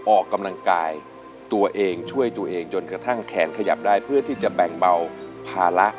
ออกกำลังกายตัวเองช่วยตัวเองจนกระทั่งแขนขยับได้เพื่อที่จะแบ่งเบาภาระ